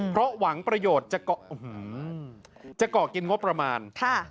เพราะหวังประโยชน์จะเกาะกินงบประมาณ